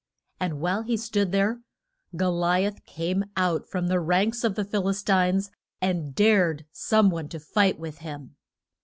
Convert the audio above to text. And while he stood there, Go li ath came out from the ranks of the Phil is tines, and dared some one to fight with him.